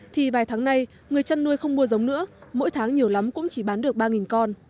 thì vài tháng nay người chăn nuôi không mua giống nữa mỗi tháng nhiều lắm cũng chỉ bán được ba con